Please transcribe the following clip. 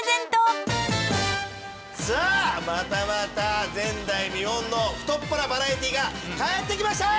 さあまたまた前代未聞の太っ腹バラエティーが帰ってきました！